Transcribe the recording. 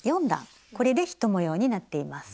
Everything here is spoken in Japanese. これで１模様になっています。